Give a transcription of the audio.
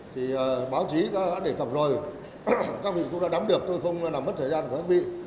thì báo chí đã đề cập rồi các vị cũng đã đắm được tôi không làm mất thời gian của các vị